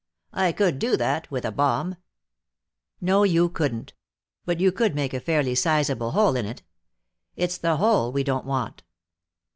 "I could do that, with a bomb." "No, you couldn't. But you could make a fairly sizeable hole in it. It's the hole we don't want."